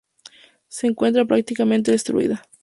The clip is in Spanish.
Se encuentra prácticamente destruida.